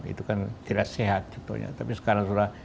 itu kan tidak sehat contohnya tapi sekarang sudah